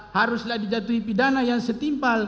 haruslah dijatuhi pidana yang setimpal